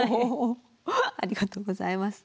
ありがとうございます。